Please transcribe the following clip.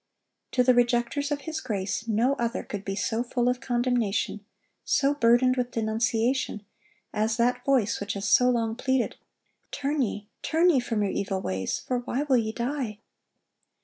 To the rejecters of His grace, no other could be so full of condemnation, so burdened with denunciation, as that voice which has so long pleaded, "Turn ye, turn ye from your evil ways; for why will ye die?"